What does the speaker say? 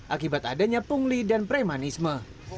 akibat adanya pungli dan premanisme